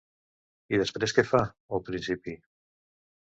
I després què fa, al principi?